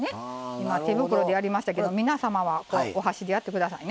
今手袋でやりましたけど皆様はお箸でやって下さいね。